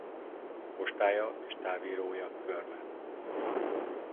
Postája és távírója Körmend.